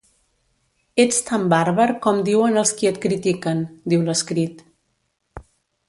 Ets tan bàrbar com diuen els qui et critiquen, diu l’escrit.